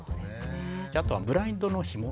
あとはブラインドのひも。